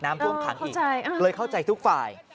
น้ำท่วมขังอีกเลยเข้าใจทุกฝ่าย